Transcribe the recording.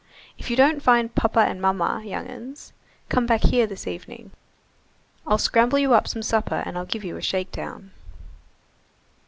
If you don't find papa and mamma, young 'uns, come back here this evening. I'll scramble you up some supper, and I'll give you a shakedown."